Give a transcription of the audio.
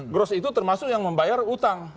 gross itu termasuk yang membayar utang